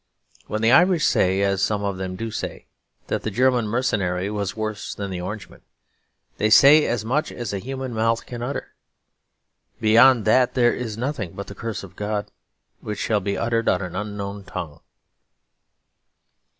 When the Irish say, as some of them do say, that the German mercenary was worse than the Orangemen, they say as much as human mouth can utter. Beyond that there is nothing but the curse of God, which shall be uttered in an unknown tongue.